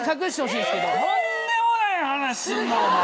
とんでもない話するなお前！